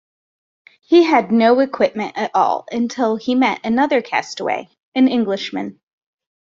He had no equipment at all until he met another castaway, an Englishman.